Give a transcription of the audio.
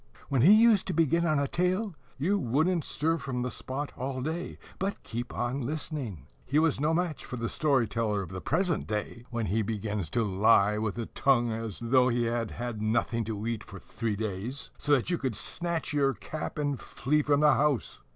When he used to begin on a tale, you wouldn't stir from the spot all day, but keep on listening. He was no match for the story teller of the present day, when he begins to lie, with a tongue as though he had had nothing to eat for three days, so that you snatch your cap and flee from the house.